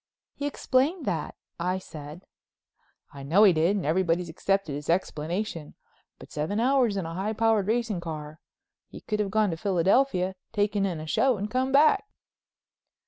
"He explained that," I said. "I know he did, and everybody's accepted his explanation. But seven hours in a high powered racing car! He could have gone to Philadelphia, taken in a show and come back."